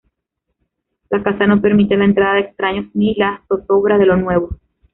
La casa no permite la entrada de extraños ni la zozobra de lo nuevo.